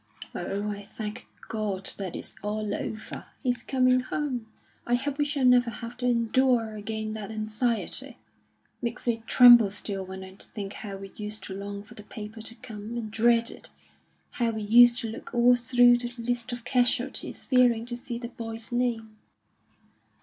"Oh, I thank God that it's all over! He's coming home. I hope we shall never have to endure again that anxiety. It makes me tremble still when I think how we used to long for the paper to come, and dread it; how we used to look all through the list of casualties, fearing to see the boy's name."